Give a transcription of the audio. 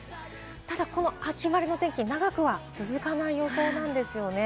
ただこの秋晴れの天気、長くは続かない予想なんですね。